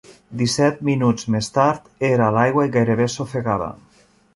Disset minuts més tard, era a l'aigua i gairebé s'ofegava.